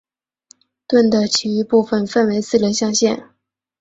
盾的其余部分分为四个象限。